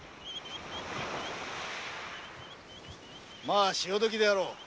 ま潮時であろう。